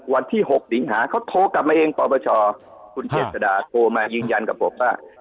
วันที่๖สิงหาเขาโทรกลับมาเองปปชคุณเจษดาโทรมายืนยันกับผมว่า